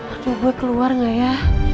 aduh gue keluar gak ya